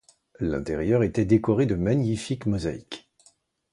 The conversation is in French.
L'intérieur était décoré de magnifiques mosaïques.